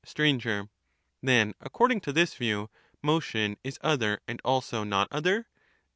Str. Then, according 'to this view, motion is other and also not other